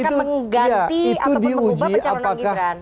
atau mengubah pecaronan gitu kan